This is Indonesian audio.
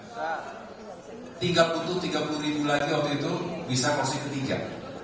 tiga puluh tiga puluh ribu lagi waktu itu bisa fase ketiga